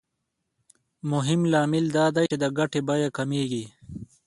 مهم لامل دا دی چې د ګټې بیه کمېږي